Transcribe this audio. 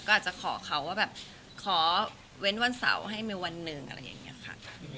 ก็อาจจะขอเขาว่าแบบขอเว้นวันเสาร์ให้มีวันหนึ่งอะไรอย่างนี้ค่ะ